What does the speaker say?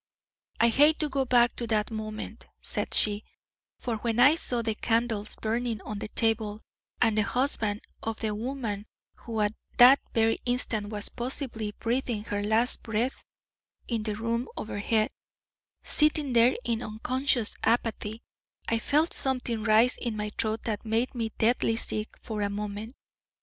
"I hate to go back to that moment," said she; "for when I saw the candles burning on the table, and the husband of the woman who at that very instant was possibly breathing her last breath in the room overhead, sitting there in unconscious apathy, I felt something rise in my throat that made me deathly sick for a moment.